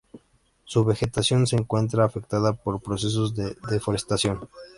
Su vegetación se encuentra afectada por procesos de deforestación.